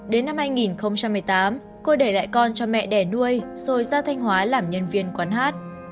đến năm hai nghìn một mươi tám cô để lại con cho mẹ đẻ nuôi rồi ra thanh hóa làm nhân viên quán hát